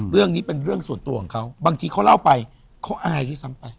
เรื่องนี้เป็นเรื่องส่วนตัวของเขาบางทีเขาเล่าไปเขาอายที่ซ้ำไป